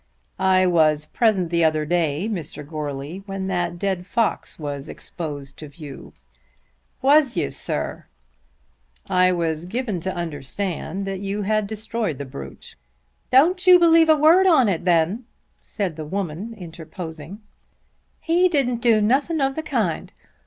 "I was present the other day, Mr. Goarly, when that dead fox was exposed to view." "Was you, sir?" "I was given to understand that you had destroyed the brute." "Don't you believe a word on it then," said the woman interposing. "He didn't do nothing of the kind.